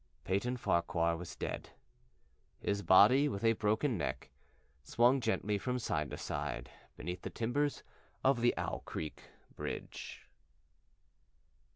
Peyton Farquhar was dead; his body, with a broken neck, swung gently from side to side beneath the timbers of the Owl Creek bridge.